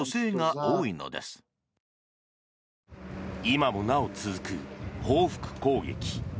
今もなお続く報復攻撃。